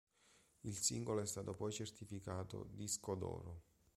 Il singolo è stato poi certificato disco d'oro.